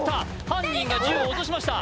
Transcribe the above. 犯人が銃を落としました